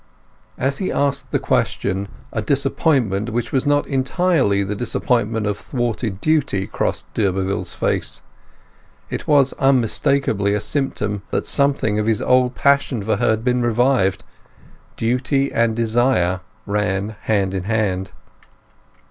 And as he asked the question a disappointment which was not entirely the disappointment of thwarted duty crossed d'Urberville's face. It was unmistakably a symptom that something of his old passion for her had been revived; duty and desire ran hand in hand.